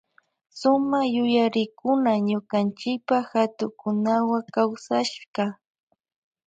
Suma yuyarikuna ñukanchipa hatukukunawa kawsashka.